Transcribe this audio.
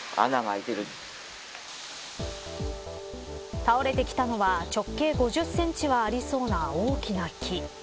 倒れてきたのは直径５０センチはありそうな大きな木。